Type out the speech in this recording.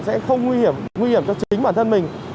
sẽ không nguy hiểm cho chính bản thân mình